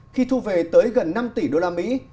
khi thu về tới gần năm tỷ đô la mỹ